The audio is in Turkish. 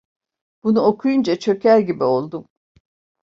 Bunu okuyunca çöker gibi oldum.